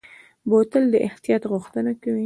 بوتل د احتیاط غوښتنه کوي.